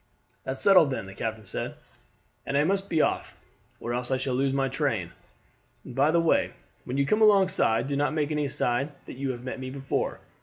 "That's settled, then," the captain said, "and I must be off, or else I shall lose my train. By the way, when you come alongside do not make any sign that you have met me before.